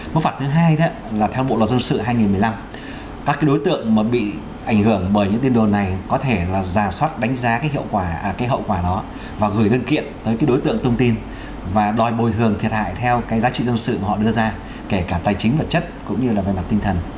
mức phạt thứ hai đó là theo luật luật dân sự hai nghìn một mươi năm các đối tượng mà bị ảnh hưởng bởi những tin đồn này có thể là rà soát đánh giá cái hậu quả đó và gửi đơn kiện tới đối tượng thông tin và đòi bồi hưởng thiệt hại theo cái giá trị dân sự họ đưa ra kể cả tài chính vật chất cũng như là về mặt tinh thần